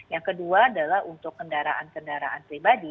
yang kedua adalah untuk kendaraan kendaraan pribadi